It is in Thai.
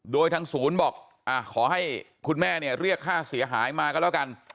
โดยทางศูนย์บอกขอให้คุณแม่เนี่ยเรียกค่าเสียหายมาก็แล้วกัน